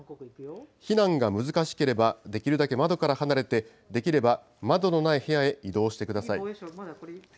避難が難しければ、できるだけ窓から離れて、できれば窓のない部屋へ移動してください。